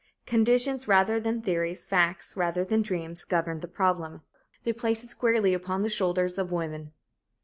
Conditions, rather than theories, facts, rather than dreams, govern the problem. They place it squarely upon the shoulders of woman.